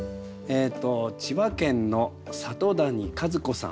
千葉県の里谷和子さん